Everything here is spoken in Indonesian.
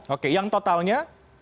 oke yang totalnya